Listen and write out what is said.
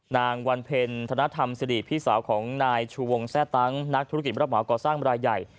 นางวันเพ็ญธนธรรมสิริพี่สาวของนายชูวงแทร่ตั้งนักธุรกิจรับเหมาก่อสร้างรายใหญ่